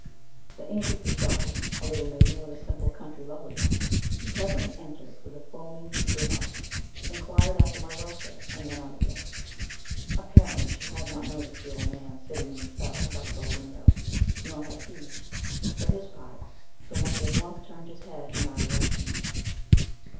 The inn keeper's daughter, a little maiden with a simple country loveliness, presently entered with a foaming pewter mug, enquired after my welfare, and went out again. Apparently she had not noticed the old man sitting in the settle by the bow window, nor had he, for his part, so much as once turned his head in our direction.